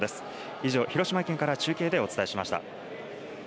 以上、広島県から中継でお伝えしました。